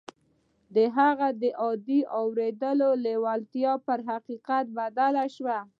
د هغه د عادي اورېدو لېوالتیا پر حقیقت بدله شوه